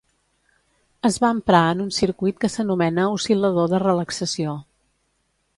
Es va emprar en un circuit que s'anomena oscil·lador de relaxació.